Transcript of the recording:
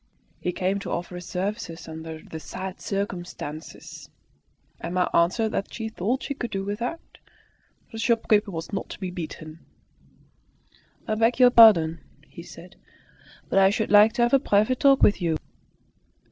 He came to offer his services "under the sad circumstances." Emma answered that she thought she could do without. The shopkeeper was not to be beaten. "I beg your pardon," he said, "but I should like to have a private talk with you."